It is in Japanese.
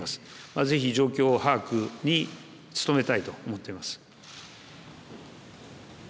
ぜひ、状況把握に努めたいと考えております。